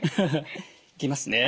いきますね。